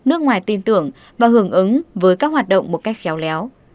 nước ngoài tin tưởng và hưởng ứng với các hoạt động một cách khéo léo